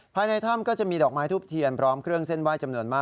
ภายในถ้ำก็จะมีดอกไม้ทูบเทียนพร้อมเครื่องเส้นไหว้จำนวนมาก